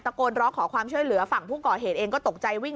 โกนร้องขอความช่วยเหลือฝั่งผู้ก่อเหตุเองก็ตกใจวิ่ง